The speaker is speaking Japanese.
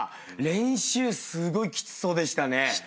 練習すごいきつそうでしたね。